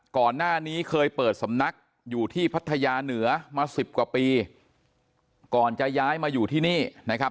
ก่อนหน้านี้เคยเปิดสำนักอยู่ที่พัทยาเหนือมาสิบกว่าปีก่อนจะย้ายมาอยู่ที่นี่นะครับ